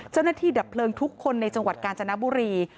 เจ้าหน้าที่ดับเพลิงทุกคนในจังหวัดกาญจนบุรี